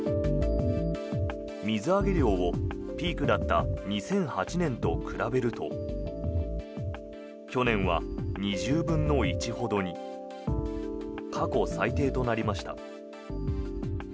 水揚げ量を、ピークだった２００８年と比べると去年は２０分の１ほどに。過去最低となりました。